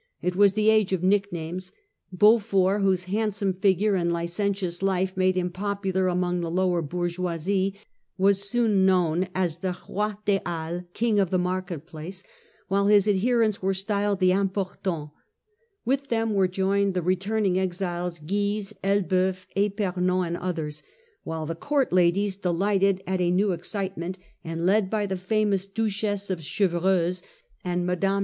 It was the age of nicknames ; Beau fort, whose handsome figure and licentious life made him popular among the lower bourgeoisie , was soon known as the ' Roi des Halles/ ' King of the Market place/ while his adherents were styled the ' Importants/ With them were joined the returning exiles, Guise, Elboeuf, itpernon, and others ; while the court ladies, delighted at a new ex citement, and led by the famous Duchess of Chevreuse and Mme.